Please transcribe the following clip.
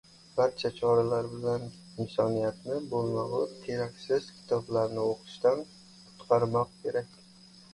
Barcha choralar bilan insoniyatni bo‘lmag‘ur, keraksiz kitoblarni o‘qishdan qutqarmoq kerak.